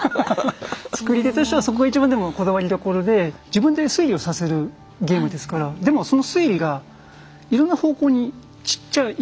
作り手としてはそこが一番でもこだわりどころで自分で推理をさせるゲームですからでもその推理がいろんな方向に散っちゃいけないわけですよ。